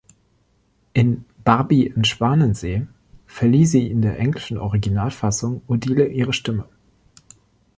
In "Barbie in Schwanensee" verlieh sie in der englischen Originalfassung Odile ihre Stimme.